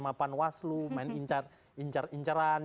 mapan waslu main incaran